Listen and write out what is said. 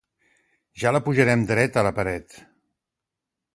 Ja la pujarem dreta la paret!